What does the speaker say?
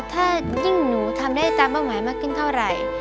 ที่หนูทำได้ทำได้๓เป้าหมายมากขึ้นเท่าไหร่